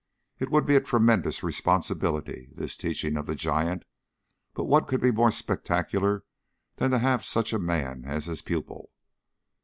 It would be a tremendous responsibility, this teaching of the giant, but what could be more spectacular than to have such a man as his pupil?